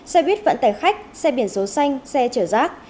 xe buýt vận tải khách xe biển số xanh xe chở rác